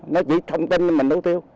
nó chỉ thông tin cho mình thủ tiêu